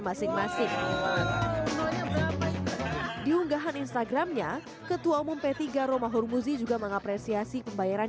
masing masing diunggahan instagramnya ketua umum p tiga romahur muzi juga mengapresiasi pembayaran